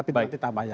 tapi nanti tambah ya